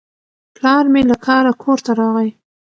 پلار مې له کاره کور ته راغی.